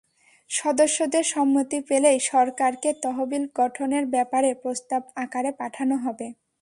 সদস্যদের সম্মতি পেলেই সরকারকে তহবিল গঠনের ব্যাপারে প্রস্তাব আকারে পাঠানো হবে।